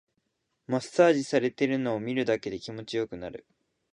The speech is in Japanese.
マッサージされてるのを見るだけで気持ちよくなる